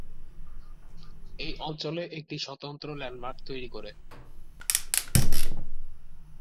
এটি এই অঞ্চলে একটি স্বতন্ত্র ল্যান্ডমার্ক তৈরি করে।